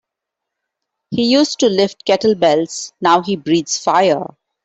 He used to lift kettlebells now he breathes fire.